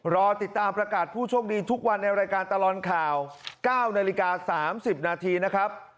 รอติดตามประกาศผู้โชคดีทุกวันในรายการตลอดข่าว๙นาฬิกา๓๐นาทีนะครับ